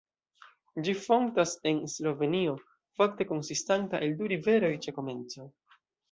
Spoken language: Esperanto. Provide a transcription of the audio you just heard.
Ĝi fontas en Slovenio, fakte konsistanta el du riveroj ĉe komenco.